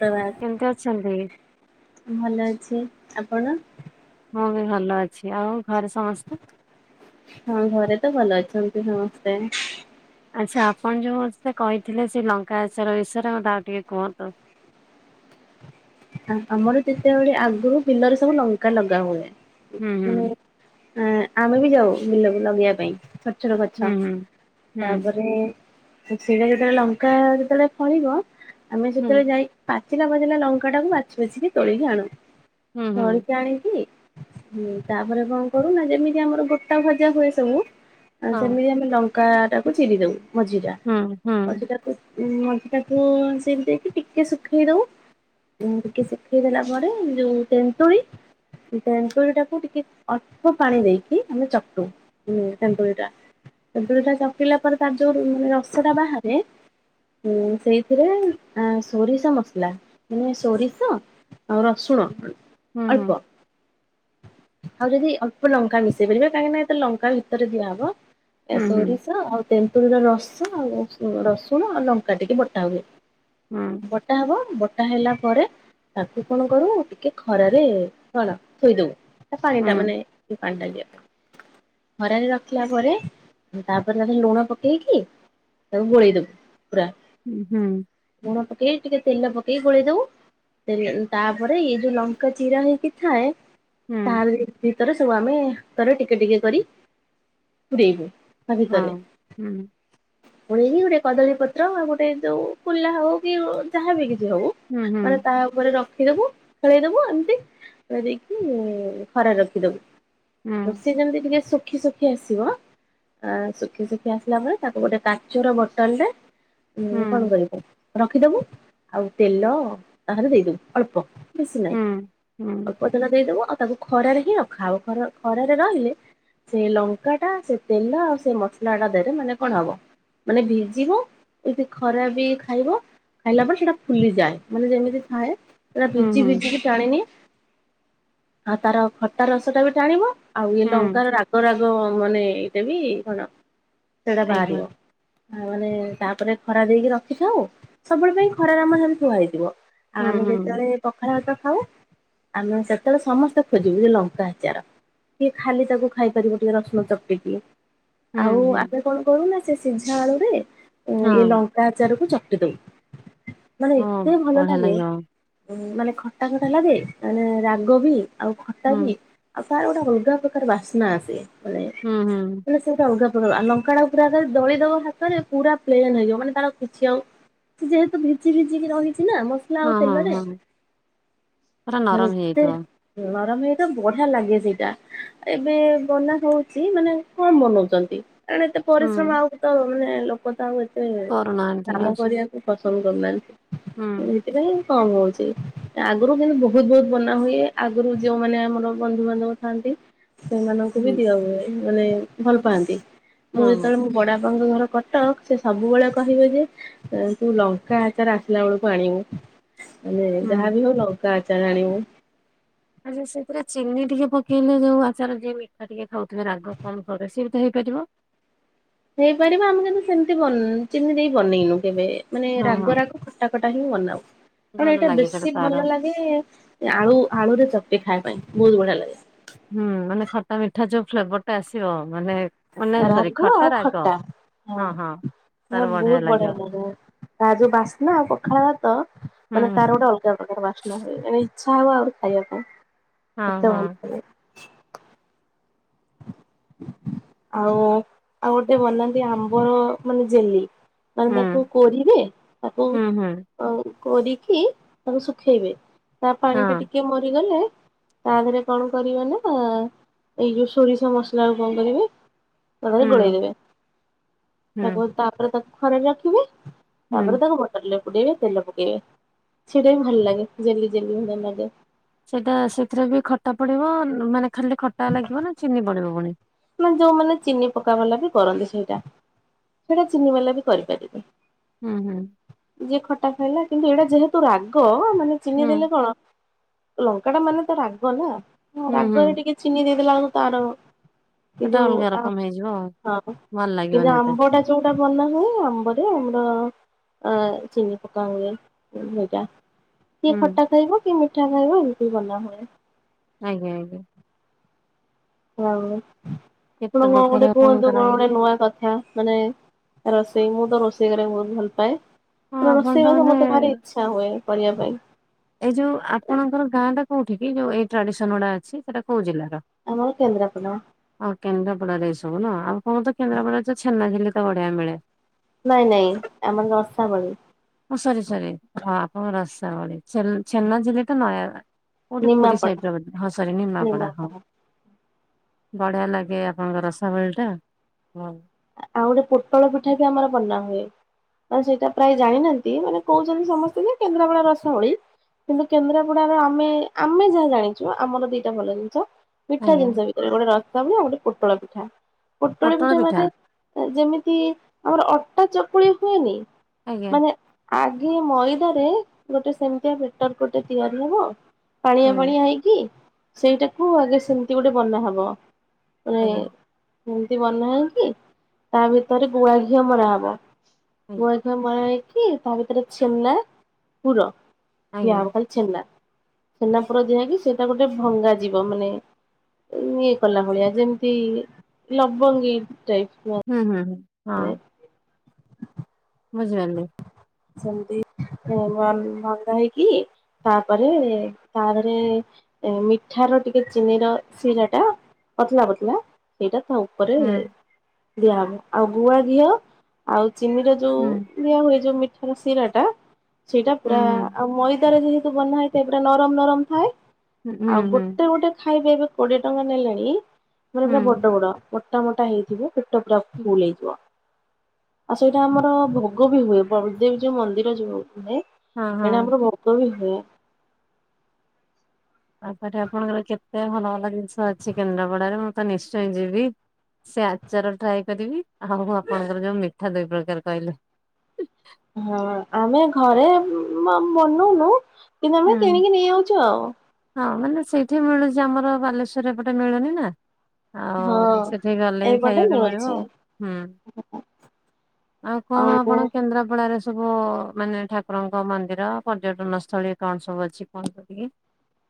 ପ୍ରଭାତ୍। କେମିତି ଅଛନ୍ତି? ଭଲ ଅଛି। ଆପଣ? ମୁଁ ବି ଭଲ ଅଛି। ଆଉ ଘରେ ସମସ୍ତେ? ହଁ ଘରେ ତ ଭଲ ଅଛନ୍ତି ସମସ୍ତେ। ଆଚ୍ଛା ଆପଣ ଯୋଉ ସେ କହିଥିଲେ ସେ ଲଙ୍କା ଆଚାର ବିଷୟରେ ମତେ ଆଉ ଟିକେ କୁହ ତ। ଆମର ଯେତେବେଳେ ଆଗରୁ ବିଲରେ ସବୁ ଲଙ୍କା ଲଗା ହୁଏ। ହୁଁ ହୁଁ ମାନେ ଆ ଆମେ ବି ଯାଉ ବିଲକୁ ଲଗେଇବା ପାଇଁ ଛୋଟ ଛୋଟ ଗଛ। ହୁଁ ହୁଁ। ତାପରେ ସେଇଟା ଯେତେବେଳେ ଲଙ୍କା ଯେତେବେଳେ ଫଳିବ ଆମେ ହୁଁ ସେତେବେଳେ ଯାଇ ପାଚିଲା ପାଚିଲା ଲଙ୍କା ଲଙ୍କା ଟାକୁ ବାଛି ବାଛିିକି ତୋଳିକି ଆଣୁ। ହୁଁ ହୁଁ ହୁଁ ତୋଳିକି ଆଣିକି ହୁଁ ତାପରେ କଣ କରୁନା ଯେମିତି ଆମର ଗୋଟା ଭଜା ହୁଏ ସବୁ ସେମିତି ହଁ ଆମେ ଲଙ୍କା ଟାକୁ ଚିରି ଦଉ ମଝି ଟା। ମଝି ହୁଁ ଟା ମଞ୍ଜି ଟାକୁ ସେମିତି ଦେଇକି ଟିକେ ଶୁଖେଇ ଦବୁ। ଟିକେ ଶୁଖେଇ ଦେଲା ପରେ ଯୋଉ ତେନ୍ତୁଳି ସେ ତେନ୍ତୁଳି ଟାକୁ ଟିକେ ଅଳ୍ପ ପାଣି ଦେଇକି ଆମେ ଚକୁଟୁ। ତେନ୍ତୁଳି ଟା, ତେନ୍ତୁଳି ଟା ଚକଟିଲା ପରେ ତାର ଯୋଉ ରସ ଟା ବାହାରେ ଉଁ ସେଇଥିରେ ସୋରିଷ ମସଲା। ମାନେ ସୋରିଷ ଆଉ ରସୁଣ ହୁଁ ଅଳ୍ପ। ହୁଁ ଆଉ ଯଦି ଅଳ୍ପ ଲଙ୍କା ମିଶେଇ ପାରିବେ କାହିଁକି ନା ଏତେ ଲଙ୍କା ଭିତରେ ଦିଆହବ। ହୁଁ ହୁଁ ସୋରିଷ ଆଉ ତେନ୍ତୁଳି ର ରସ, ଆଉ ରସୁଣ, ଆଉ ଲଙ୍କା ଟିକେ ବଟା ହୁଏ। ହଁ। ବଟା ହବ ବଟା ହେଲା ପରେ ତାକୁ କଣ କରୁ ଟିକେ ଖରାରେ କଣ ଥୋଇଦଉ। ସେ ପାଣି ଟା ମାନେ ହୁଁ ସେ ପାଣି ଟା ଯିବା। ଖରାରେ ରଖିଲା ପରେ ତାପରେ ତାକୁ ଲୁଣ ପକେଇକି ତାକୁ ଗଳେଇଦବୁ ପୁରା। ହଁ ହୁଁ। ଲୁଣ ପକେଇ ଟିକେ ତେଲ ପକେଇ ଗୋଳେଇ ଦଉ। ତାପରେ ଏଇ ଯୋଉ ଲଙ୍କା ଚିରା ହେଇକି ଥାଏ। ହୁଁ ହୁଁ ତା ତର ସବୁ ଆମେ ଥର ଟିକେ ଟିକେ କରି ପୁରେଇବୁ। ତା ହଁ ଭିତରେ। ହୁଁ ଫୁଣି ଏହି ଗୋଟେ କଦଳୀ ପତ୍ର ଆଉ ଗୋଟେ ଯୋଉ କୁଲା ହଉ କି ଯାହାବି କିଛି ହଉ ହୁଁ ହୁଁ। ମାନେ ତା ଉପରେ ରଖିଦବୁ ଖେଳେଇଦବୁ ଏମତି ଖେଳେଇ ଦେଇକି ଖରାରେ ରଖିଦବୁ। ରୁଷି ଯେମତି ଟିକେ ସୁ ଶୁଖି ଶୁଖି ଆସିବ ଆଁ ଶୁଖି ଶୁଖି ଆସିଲା ପରେ ତାକୁ ଗୋଟେ କାଚର ବୋଟଲ୍ ରେ ହୁଁ ଉଁ ହୁଁ କଣ କରିବୁ ରଖିଦବୁ ଆଉ ତେଲ ତାହାରେ ଦେଇଦବୁ ଅଳ୍ପ। ବେଶୀ ନାଇଁ ହୁଁ ହୁଁ ଅଳ୍ପ ତେଲ ଦେଇଦବୁ ଆଉ ତାକୁ ଖରାରେ ହିଁ ରଖା ହବ ଖର ଖରାରେ ରହିଲେ ସେ ଲଙ୍କାଟା ସେ ତେଲ ଆଉ ସେ ମସଲା ଟା ଦେହରେ ନହେଲେ କଣ ହବ? ମାନେ ଭିଜିବ ଏଇଠେ ଖରା ବି ଖାଇବ ଖାଇଲା ପରେ ସେଇଟା ଫୁଲିଯାଏ। ମାନେ ଯେମିତି ଥାଏ ପୁରା ହୁଁ ଭିଜି ହୁଁ ଭିଜିିକି ଟାଣିନିଏ ଆଉ ତାର ଖଟା ରସ ଟା ବି ଟାଣିବ ଆଉ ଇଏ ହୁଁ ଲଙ୍କାର ରାଗ ରାଗ ରାଗ ମାନେ ଏଇଟା ବି କଣ ସେଟା ଆଜ୍ଞା। ବାହାରିବ। ଆଉ ମାନେ ତାପରେ ଖରା ଦେଇକି ରଖିଥାଉ ସବୁବେଳେ ପାଇଁ ଖରାରେ ଆମର ସେମତି ଥୁଆ ହେଇଥିବ। ଆଉ ହୁଁ ଆମେ ଯେତବେଳେ ହୁଁ ପଖାଳ ଭାତ ଖାଉ ଆମେ ସେତବଳେ ସମସ୍ତେ ଖୋଜିବୁ ଯେ ଲଙ୍କା ଆଚାର କିଏ ଖାଲି ତାକୁ ଖାଇ ପାରିବୁ ଟିକେ ରସୁଣ ଚକଟିିକି। ଆଉ ହୁଁ ଆମେ କଣ କରୁନା ସେ ସିଝା ଆଳୁରେ ଅ ଇଏ ହୁଁ ଲଙ୍କ ଆଚାରକୁ ଚକଟି ଦଉ ମାନେ ହଁ ହଁ ଏତେ ଭଲ ବଢିଆ ଲାଗେ ଲାଗିବ। ଉଁ ମାନେ ଖଟା ଖଟା ଲାଗେ ତା ମାନେ ରାଗ ବି ଆଉ ଖଟା ହୁଁ ବି ଆଉ ତାର ଗୋଟେ ଅଲଗା ପ୍ରକାର ବାସ୍ନା ଆସେ ମାନେ ହୁଁ ହୁଁ। ସେଟା ସେଇଟା ଅଲଗା ପ୍ରକାର ଆ ଲଙ୍କା ଟାକୁ ପୁରାଟା ଦଳିଦବ ହାତରେ ପୁରା ପ୍ଲେନ ହେଇଯିବ ମାନେ ତାର କିଛି ଆଉ ଯେହେତୁ ଭିଜି ଭିଜିିକି ରହିଚି ନା ମସ୍ ଲା ଆଉ ହଁ ହଁ ତେଲରେ ହଁ ପୁରା ଭଲ ନରମ ଏତେ ହେଇଯାଇଥିବ। ନରମ ହେଇଥିବ ବଢ଼ିଆ ଲାଗେ ସେଇଟା। ଏବେ ବନା ହଉଚି ମାନେ କଣ ବନଉଚନ୍ତି? କାରଣ ଏତେ ହୁଁ। ପରିଶ୍ରମ ଆଉ ତ ମାନେ ଲୋକ ତ ଆଉ ଏତେ କରୁନାହାନ୍ତି କାମ ଆଚ୍ଛା। କରିବାକୁ ପସନ୍ଦ ହୁଁ କରୁନାହାନ୍ତି ଏମିତି ପାଇଁ କମ୍ ବଳୁଚି ଆଗୁରୁ କିନ୍ତୁ ବହୁତ ବହୁତ ବନା ହୁଏ ଆଗରୁ ଯୋଉମାନେ ଆମର ବନ୍ଧୁବାନ୍ଧବ ଥାନ୍ତି ସେମାନଙ୍କୁ ବି ହୁଁ ଦିଆ ହୁଏ ମାନେ ଭଲ ପାଆନ୍ତି ମୁଁ ଯେତେବେଳେ ମୋ ବଡ ବାପାଙ୍କ ଘର କ ଟକ ସେ ସବୁବଳେ କହିବେ ଯେ ଏଁ ତୁ ଲଙ୍କା ଆଚାର ଆସିଲା ବଳକୁ ଆଣିବୁ। ମାନେ ହୁଁ। ଯାହାବି ହଉ ଲଙ୍କା ଆଚାର ଆଣିବୁ। ଆଚ୍ଛା ସେଇଥିରେ ଚିନି ଟିକିଏ ପକେଇଲେ ଯୋଉ ଆଚାର ଯିଏ ମିଠା ଟିକେ ଖାଉଥୁବେ ରାଗ କମ୍ ଖାଉଥିବେ ସିଏ ବି ତ ହେଇପାରିବ? ହେଇପାରିବ ଆମେ କିନ୍ତୁ ସେମତି ବନ୍ ଚିନି ଦେଇ ବନେଇନୁ କେବେ ମାନେ ହଁ ହଁ। ରାଗ ରାଗ ଖଟା ଖଟା ହିଁ ବନାଉ ଭଲ କାରଣ ଏଇଟା ଲାଗେ ସେଟା ବେଶୀ ତାର ଭଲ ଲାଗେ ଏ ଆଳୁ ଆଳୁରେ ଚକଟି ଖାଇବା ପାଇଁ ବହୁତ ବଢ଼ିଆ ଲାଗେ। ହୁଁ ମାନେ ଖଟା ମିଠା ଯୋଉ ଫ୍ଲେବର ଟା ଆସିବ ମାନେ ମାନେ ସରି ରାଗ ଆଉ ରାଗ ଖଟା ହଁ ତାର ମୋର ବଢିଆ ବହୁତ ବଢ଼ିଆ ଲାଗିବ। ଲାଗା। ତା ଯୋଉ ବାସ୍ନା ଆଉ ପଖାଳ ଭାତ ହୁଁ ମାନେ ତାର ଗୋଟେ ଅଲ ଗା ପ୍ରକାର ବାସ୍ନା ହୁଏ ଏଣେ ଇଚ୍ଛା ହବ ଆହୁରି ଖାଇବା ପାଇଁ। ହଁ ଏତେ ହଁ। ଭଲ ଲାଗେ ଆଉ ଆଉ ଗୋଟେ ବନାନ୍ତି ଆମ୍ବର ମାନେ ଜେଲି। ମାନେ ହୁଁ ତାକୁ କୋରିବେ ତାକୁ ହୁଁ ହୁଁ ଅଂ କୋରିକି ତାକୁ ଶୁଖେଇବେ। ତା ପାଣି ଟା ହଁ ଟିକେ ମରିଗଲେ ତା ଦେହେରେ କଣ କରିବେ ନା ଏଇ ଯୋଉ ସ୍ ସୋରିଷ ମସଲାକୁ କଣ କରିବେ ତା ଦେହରେ ହୁଁ ଗୋଳେଇ ଦେବେ ହୁଁ ତାକୁ ତାପରେ ତାକ୍ ଖରାରେ ରଖିବେ ହୁଁ। ତାପରେ ତାକୁ ଗୋ ତେଲ ପକେଇବେ ତେଲ ପକେଇବେ ସେଟା ବି ଭଲ ଲାଗେ ଜେଲି ଜେଲି ଭଳିଆ ଲାଗେ। ସେଟା ସେଥିରେ ବି ଖଟା ପଡିବ ମାନେ ଖାଲି ଖଟା ଲାଗିବ ନା ଚିନି ପଡିବ ପୁଣି। ମାନେ ଯୋଉମାନେ ଚିନି ପକବାଲା ବି କରନ୍ତି ସେଇଟା। ସେଟା ଚିନିିବାଲା ବି କରିପାରିବେ। ହୁଁ ହୁଁ। ଯିଏ ଖଟା ଖାଇଲା କିନ୍ତୁ ଏଇଟା ଯେହେତୁ ରାଗ ମାନେ ହୁଁ ଚିହ୍ନି ଦେଲେ କଣ। ଲଙ୍କା ଟା ମାନେ ତ ରାଗ ନା ହୁଁ ହୁଁ ରାଗରେ ଟିକେ ଚିନି ଦେଇଦେଲା ବେଳକୁ ତାର କି ସେଟା ଯୋଉ ଅଲଗା ଆ ରକମ ହେଇଯିବ ଆଉ ହଁ ଭଲ ଏ ଲାଗିବନି ଯୋଉ ଏତେ ଆମ୍ବ ଟା ଯୋଉଟା ବନା ହୁଏ ଆମ୍ବରେ ଆମର ଆଁ ଚିନି ପକା ହୁଏ ଉଁ ହେଇଟା। କିଏ ହୁଁ। ଖଟା ଖାଇବ କି ମିଠା ଖାଇବ ଏମିତି ବନା ହୁଏ। ଆଜ୍ଞା ଆଜ୍ଞା। ହଉ ଆପଣ କେତେ କଣ ପ୍ରକାର ଗୋଟେ କୁହନ୍ତୁ ଆପଣଙ୍କର କଣ ହଁ ଗୋଟେ ନୂଆ କଥା ମାନେ ରୋଷେଇ ମୁଁ ତ ରୋଷେଇ କରିବାରେ ବହୁତ ଭଲ ପାଏ ମ ଆପଣ ତ ରୋଷେଇ ବାସ ମାନେ ମତେ ଭାରି ଇ ଇଛା ହୁଏ କରିବା ପାଇଁ। ଏଇ ଯୋଉ ଆପଣଙ୍କର ଗାଁ ଟା କୋଉଠି କି ଯୋଉ ଏଇ ଟ୍ରାଡିସନ ଗୁଡା ଅଛି ସେଟା କୋଉ ଜିଲ୍ଲାର। ଆମର କେନ୍ଦ୍ରପଡା। ଆଉ କେନ୍ଦ୍ରାପଡାରେ ଏଇ ସବୁ ନୁହଁ ଆଉ କଣ ତ କେନ୍ଦ୍ରାପଡା ରେ ତ ଛେନା ଝେଲି ତ ବଢିଆ ମିଳେ। ନାଇଁ ନାଇଁ ଆମର ରସାବଳି। ଓ ସରି ସରି ହଁ ରସାବଳି ଛେଲ ଛେନ୍ନା ଝିଲି ତ ନୟାଗଡ। କୋଉଠି ପୁରୀ ନିମାପଡା ସାଇଡ ତ ବୋଧେ ହଁ ସରି ନିମାପଡା ହଁ। ବଢିଆ ଲାଗେ ଆପଣଙ୍କର ରସାବଳି ଟା ହଉ ଆଉ ଗୋଟେ ପୋଟଳ ପିଠା ବି ଆମର ବନା ହୁଏ। ଆ ସେଇଟା ପ୍ରାୟ ଜାଣିନାହାନ୍ତି ମାନେ କହୁଛନ୍ତି ସମସ୍ତେ ଯେ କେନ୍ଦ୍ରାପଡା ରସବଳି। କିନ୍ତୁ କେନ୍ଦ୍ରାପଡା ରେ ଆମେ ଆମେ ଯାହା ଜାଣିଛୁ ଆମର ଦିଟା ଭଲ ଜିନିଷ। ପିଠା ଆଜ୍ଞା ଜିନିଷ ଭିତରେ ଗୋଟେ ରସବଳି ଆଉ ଗୋଟେ ପୋଟଳ ପିଠା ପୋଟଳ ପିଠା ମାନେ ଯେମିତି ଆମର ଅଟା ଚକୁଳି ହୁଏନି ଆଜ୍ଞା ମାନେ ଆଗେ ମଇଦାରେ ଗୋଟେ ସେମିତିଆ ବେଟର ଗୋଟେ ତିଆରି ହବ। ପାଣିଆ ଆଜ୍ଞା ପାଣିଆ ହେଇକି ସେଇଟାକୁ ଆଗେ ସେମିତି ଗୋଟେ ବନାହବ। ହୁଏ ଆଜ୍ଞା ଏମିତି ବନା ହେଇ କି ତା ଭିତରେ ଗୁଆ ଘିଅ ମରାହବ ଆଜ୍ଞା। ଗୁଆ ମରା ହେଇ କି ତା ଭିତରେ ଛେନ୍ନା ପୁର ଆଜ୍ଞା ଦିଆହବ ଖାଲି ତୁ ଛେନା ଛେନା ପୁର ଦିଆହେଇ କି ସେଇଟା ଗୋଟେ ଭଙ୍ଗା ଯିବ ମାନେ ଇଏ କଲା ଭଳିଆ ଯେମିତି ଲବଙ୍ଗୀ ଟାଇପ୍। ହୁଁ ହୁଁ ହଁ। ମୁଁ ଜାନି। ସେମିତି ନୂଆ ଭଙ୍ଗା ହେଇକି ତାପରେ ତାପରେ ଏ ମିଠ ର ଟିକେ ଚିନିର ସିରା ଟା ପତଲା ପତଲା ସେଇଟା ଥାଉ। ଉପରେ ହୁଁ ଦିଆହବ ଆଉ ଗୁଆ ଘିଅ ଆଉ ଚିନିର ଯୋଉ ହୁଁ। ଦିଆ ହୁଏ ଯୋଉ ମିଠାର ଶିରା ଟା ସେଇଟା ହୁଁ ପୁରା ହୁଁ ଆଉ ମଇଦାରେ ଯେ ତ ବନା ହେଇଥାଏ ପୁରା ନରମ ନରମ ଥାଏ ହୁଁ ହୁଁ ଆଉ ଗୋଟେ ହୁଁ ଗୋଟେ ଖାଇବେ ଏବେ କୋଡିଏ ଟଙ୍କା ନେଲେଣି ମାନେ ପୁରା ବଡ ବଡ ମୋଟା ମୋଟା ହେଇଥିବେ ପେଟ ଟା ହୁଁ ଫୁଲ ହେଇଯିବ ଆଉ ସେଇଟା ଆମର ଭୋଗ ବି ହୁଏ ବଦେଇ ଯୋଉ ମନ୍ଦିର ଯୋଉ ହୁଏ ହଁ ଏଣେ ହଁ ଆମର ଭୋଗ ବି ହୁଏ। ତାପରେ ଆପଣଙ୍କର କେତେ ଭଲ ଭଲ ଜିନିଷ ଅଛି କେନ୍ଦ୍ରାପଡାରେ ମୁଁ ତ ନିଶ୍ଚୟ ଯିବି। ସେ ଆଚାର ଟ୍ରାଏ କରିବି ଆଉ ଆପଣଙ୍କର ଯୋଉ ମିଠା ଦୁଇ ପ୍ରକାର କହିଲେ। ହଁ ଆମେ ଘରେ ମ ବନଉନୁ କିନ୍ତୁ ଆମେ ହୁଁ। କିଣିକି ନେଇ ଯାଉଚୁ ଆଉ। ହଁ ମାନେ ସେଇଠି ମିଳୁଚି ଆମର ବାଲେଶ୍ଵରରେ ଏପଟେ ମିଳୁନି ନା। ହଁ। ଆଉ ସେଠି ଗଲେ ହିଁ ଏଇପଟେ ଖାଇବାକୁ ମିଳିବ ମିଳୁଛି ଆଉ ହୁଁ। ଆଉ କଣ ଆପଣ କେନ୍ଦ୍ରାପଡାରେ ସବୁ ମାନେ ଠାକୁରଙ୍କ ମନ୍ଦିର ପର୍ଯ୍ୟଟନ ସ୍ଥଳୀ କଣ ସବୁ ଅଛି କଣ [inaudible]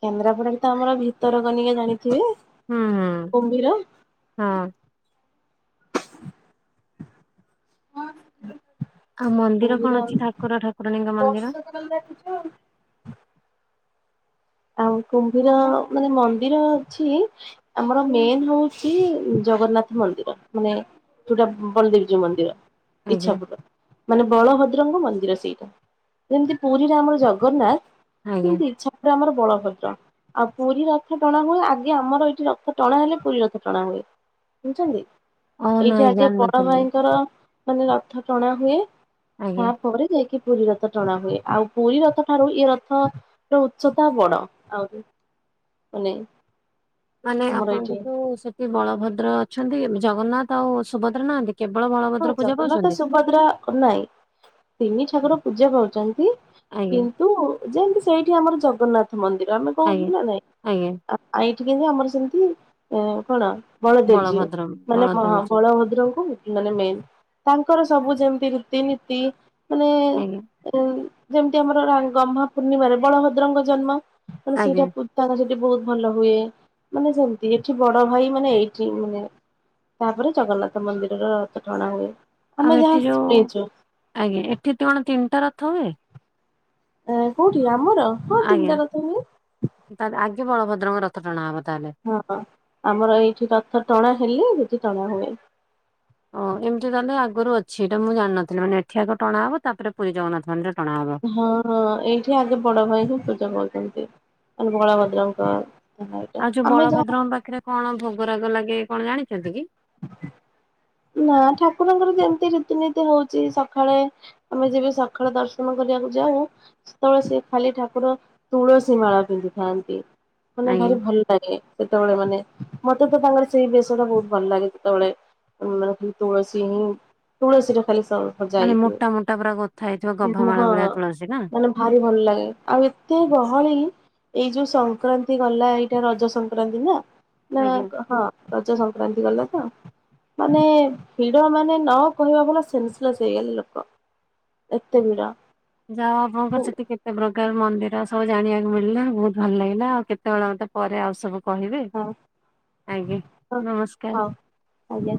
କେନ୍ଦ୍ରାପଡାରେ ତ ଆମର ଭିତରକନିକା ଜାଣିଥିବେ ହୁଁ ହୁଁ। କୁମ୍ଭୀର। ହଁ। [inaudible] ଆଉ ମନ୍ଦିର କଣ କୁମ୍ଭୀର ଅଛି ଠାକୁର ଠାକୁରାଣୀଙ୍କ ମନ୍ଦିର? ଆଉ କୁମ୍ଭୀର ମାନେ ମନ୍ଦିର ଅଛି। ଆମର ମେନ୍ ହଉଛି ଜଗନ୍ନାଥ ମନ୍ଦିର ମାନେ ଯୋଉଟା ବଳଦେବ ଜିଉ ମନ୍ଦିର ଆଜ୍ଞା ଇଚ୍ଛାପୁରର। ମାନେ ବଳଭଦ୍ରଙ୍କ ମନ୍ଦିର ସେଇଟା ଯେମିତି ପୁରୀରେ ଆମର ଜଗନ୍ନାଥ ଆଜ୍ଞା। ସେମିତି ଇଚ୍ଛା [inaudible] ଆମର ବଳଭଦ୍ର। ଆଉ ପୁରୀ ରଥ ଟଣା ହୁଏ ଆଗେ ଆମର ଏଇଠି ରଥ ଟଣା ହେଲେ ପୁରୀ ରଥ ଟଣା ହୁଏ। ଶୁଣୁଛନ୍ତି ଓ ଏଇଠି ନାଇଁ ଆଗେ ବଡ ଜାଣିନଥିଲି ଭାଇଙ୍କର ମାନେ ରଥ ଟଣା ହୁଏ। ଆଜ୍ଞା। ତାପରେ ଯାଇକି ପୁରୀ ରଥ ଟଣା ହୁଏ ଆଉ ପୁରୀ ରଥ ଠାରୁ ଏ ରଥ ରୁ ଉଚ୍ଚତା ବଡ ଆହୁରି ମାନେ ମାନେ ଆମର ଏଇଠି ଆପଣଙ୍କଠୁ ସେଠି ବଳଭଦ୍ର ଅଛନ୍ତି ଏମି ଜଗନ୍ନାଥ ଆଉ ସୁଭଦ୍ରା ନାହାନ୍ତି। କେବଳ ବଳଭଦ୍ର ପୂଜା ପାଉଛନ୍ତି? ପୁରା ନାଇଁ ତିନି ଠାକୁର ପୂଜା ପାଉଚନ୍ତି ଆଜ୍ଞା କିନ୍ ନ୍ତୁ ଯେମତି ସେଇଠି ଆମର ଜଗନ୍ନାଥ ମନ୍ଦିର ଆମେ କହୁଛୁ ଆଜ୍ଞା ନା ନାଇଁ। ଆଜ୍ଞା ଆ ଆ ଏଇଠି କେମିତି ଆମର ସେମତି ଏଁ କଣ ବଳଦେବ ଜୀଉ ବଳଭଦ୍ର ମାନେ ମ ବଳଦେବଜୀଉ ବଳଭଦ୍ରଙ୍କୁ ମାନେ ମେନ୍ ତାଙ୍କର ସବୁ ଯେମିତି ରୀତିନୀତି ମାନେ ଆଜ୍ଞା ଉଂ ଯେମିତି ଆମର ରା ଗମ୍ହା ପୂର୍ଣ୍ଣିମାରେ ବଳଭଦ୍ରଙ୍କ ଜନ୍ମ ମାନେ ଆଜ୍ଞା ସେଇଟା ପୁ ତାଙ୍କ ସେଠି ବହୁତ ଭଲ ହୁଏ ମାନେ ସେମିତି ଏଠି ବଡ ଭାଇ ମାନେ ଏଇଠି ମାନେ ତାପରେ ଜଗନ୍ନାଥ ମନ୍ଦିରର ରଥ ଟଣା ହୁଏ। ଆମେ ଆଉ ଯାହା ଏଠି ଯୋଉ ଶୁଣିଛୁ ଆଜ୍ଞା, ଏଠି କଣ ତିନିଟା ରଥ ହଏ? ଏଁ କୋଉଠି ଆମର? ହଁ ଆଜ୍ଞା ତିନିଟା ରଥ ହୁଏ ତାହେଲେ ଆଜି ବଳଭଦ୍ରଙ୍କ ରଥ ଟଣା ହବ ତାହେଲେ। ହଁ ଆମର ଏଇଠି ରଥ ଟଣା ହେଲେ ସେଠି ଟଣା ହୁଏ। ଓ ଏମିତି ତାହେଲେ ଆଗରୁ ଅଛି ଏଇଟା ମୁଁ ଜାଣିନଥିଲି ମାନେ ଏଠି ଆଗ ଟଣା ହବ ତାପରେ ପୁରୀ ଜଗନ୍ନାଥ ମନ୍ଦିର ଟଣାହବ। ହଁ ହଁ ଏଇଠି ଆଗେ ବଡ ଭାଇ କୁ ପୂଜା ପାଉଛନ୍ତି ମାନେ ବଳଭ ଭଦ୍ରଙ୍କ [unintelligible] ଆଉ ଏଇଟା ଯୋଉ ଆମେ ଯାହା ବଳଭଦ୍ରଙ୍କ ପାଖରେ କଣ ଭୋଗରାଗ ଲାଗେ କଣ ଜାଣିଚନ୍ତି କି? ନା ଠାକୁରଙ୍କର ଯେମିତି ରୀତିନୀତି ହଉଚି ସଖାଳେ ଆମେ ଯେବେ ସଖାଳ ଦର୍ଶନ କରିବାକୁ ଯାଉ ସେତେବେଳେ ସେ ଖାଲି ଠାକୁର ତୁଳସୀ ମାଳା ପିନ୍ଧିଥାନ୍ତି। ମାନେ ଆଜ୍ଞା ଭାରି ଭଲ ଲାଗେ ସେତେବେଳେ ମାନେ ମତେ ତ ତାଙ୍କର ସେଇ ବେଶ ଟା ବହୁତ ଭଲ ଲାଗେ। ସେତେବେଳେ ମାନେ ଖାଲି ତୁଳସୀ ହିଁ ତୁଳସୀ ରେ ଖାଲି ସ ସଜା ମାନେ ହେଇଥିବେ। ମୋଟା ମୋଟା ପୁରା ଗୋଥା ହେଇଥିବ ଗଭା ଉଁ ହଁ ମାଳ ଭଳିଆ ତୁଳସୀ ନା। ମାନେ ଭାରି ଭଲ ଲାଗେ ଆଉ ଏତେ ଗହଳି ଏଇ ଯୋଉ ସଂକ୍ରାନ୍ତି ଗଲା, ଏଇଟା ରଜ ସଂକ୍ରାନ୍ତି ନା ନା ଆଜ୍ଞା। ହଁ ରଜ ସଂକ୍ରାନ୍ତି ଗଲା। ତ ମାନେ ଭିଡ ମାନେ ନକହିବା ଭଲ, ସେନ୍ସଲେସ ହେଇଗଲେ ଲୋକ। ଏତେ ଭିଡ। ଯାହାହେଉ ଆପଣଙ୍କ ହଁ ସେଠି କେ କେତେ ପ୍ରକାର ମନ୍ଦିର ସବୁ ଜାଣିବାକୁ ମିଳିଲା ବହୁତ ଭଲ ଲାଗିଲା। ଆଉ କେତେବେଳେ ମତେ ପରେ ଆଉ ସବୁ କହିବେ ହଁ ଆଜ୍ଞା ନମସ୍କାର। ହଉ ଆଜ୍ଞା।